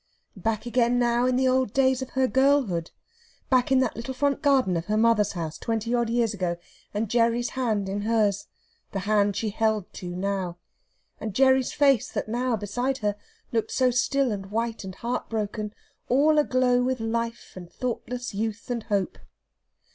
Back again now, in the old days of her girlhood! Back in that little front garden of her mother's house, twenty odd years ago, and Gerry's hand in hers the hand she held to now; and Gerry's face that now, beside her, looked so still and white and heart broken, all aglow with life and thoughtless youth and hope.